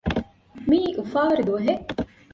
މިއީ އުފާވެރި ދުވަހެއް